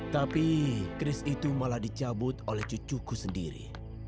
tapi keris itu malah dicabut oleh cucuku sendiri